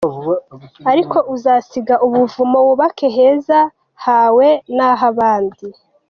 Ariko uzasiga ubuvumo wubake heza hawe nah’abandi.